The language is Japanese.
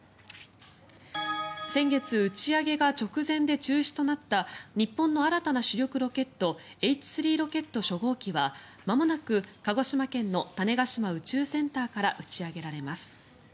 先月、打ち上げが直前で中止となった日本の新たな主力ロケットＨ３ロケット初号機はまもなく鹿児島県の種子島宇宙センターから打ち上げられます。